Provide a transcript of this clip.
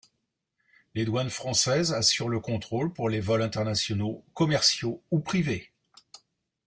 Les Douanes Françaises assurent le contrôle pour les vols internationaux, commerciaux ou privés.